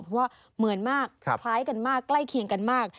เพราะว่าเหมือนมากคล้ายกันมากใกล้เคียงกันมาก